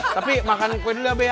tapi makan kue dulu ya be